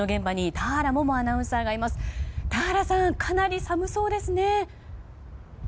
田原さん、かなり寒そうですね。